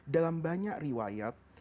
dalam banyak riwayat